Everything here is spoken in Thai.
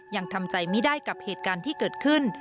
ยังทำใจไม่ได้กับเหตุการณ์ที่เกิดขึ้น